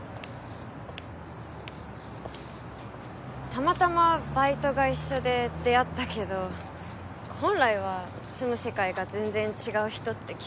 たまたまバイトが一緒で出会ったけど本来は住む世界が全然違う人って気はしてるかな